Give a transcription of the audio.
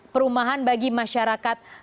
perumahan bagi masyarakat